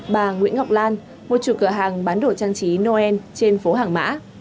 bà nguyễn ngọc lan mua chụp cửa hàng bán đồ trang trí noel trên phố hàng mã